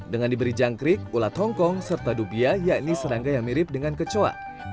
dengan diberi jangkrik ulat hongkong serta dubia yakni serangga yang mirip dengan kecoa